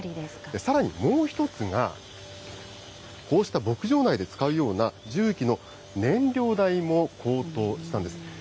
さらにもう一つが、こうした牧場内で使うような、重機の燃料代も高騰したんです。